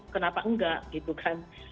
kenapa nggak gitu kan